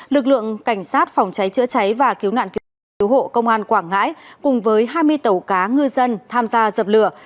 lực lượng cảnh sát phòng cháy chữa cháy và cứu nạn cứu hộ cứu hộ công an quảng ngãi cùng với hai mươi tàu cá ngư dân tham gia dập lửa